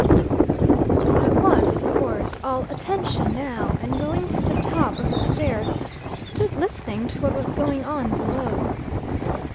I was, of course, all attention now, and going to the top of the stairs, stood listening to what was going on below.